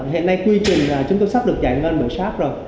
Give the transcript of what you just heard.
hiện nay quy trình chúng tôi sắp được giải ngân bởi sac rồi